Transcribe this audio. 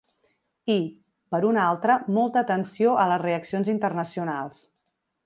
I, per una altra, molta atenció a les reaccions internacionals.